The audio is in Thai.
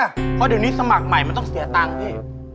เพราะเดี๋ยวนี้สมัครใหม่มันต้องเสียตังค์พี่